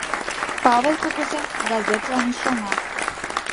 Павыл кугыза газетлан ӱшана.